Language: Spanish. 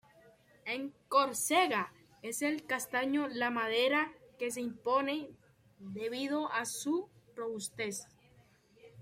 En Córcega, es el castaño la madera que se impone, debido a su robustez.